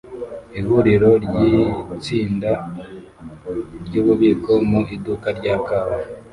Ihuriro ryitsinda ryububiko mu iduka rya kawa